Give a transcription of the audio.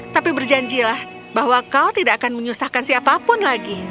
tapi berjanjilah bahwa kau tidak akan menyusahkan siapapun lagi